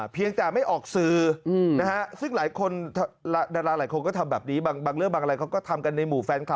เพียงแต่ไม่ออกสื่อนะฮะซึ่งหลายคนดาราหลายคนก็ทำแบบนี้บางเรื่องบางอะไรเขาก็ทำกันในหมู่แฟนคลับ